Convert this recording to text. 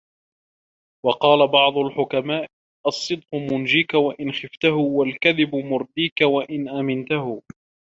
وَقَالَ بَعْضُ الْحُكَمَاءِ الصِّدْقُ مُنْجِيك وَإِنْ خِفْته ، وَالْكَذِبُ مُرْدِيك وَإِنْ أَمِنْته